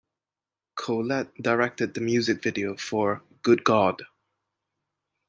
Collette directed the music video for "Good God".